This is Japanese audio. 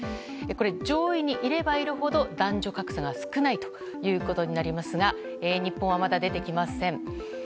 上位にいればいるほど男女格差が少ないことになりますが日本はまだ出てきません。